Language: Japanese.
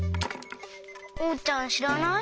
おうちゃんしらない？